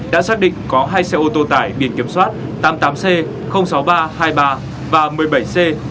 đã xác định có hai xe ô tô tải biển kiểm soát tám mươi tám c sáu mươi ba hai mươi ba và một mươi bảy c bảy mươi tám ba mươi bảy